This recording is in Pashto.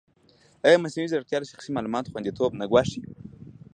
ایا مصنوعي ځیرکتیا د شخصي معلوماتو خوندیتوب نه ګواښي؟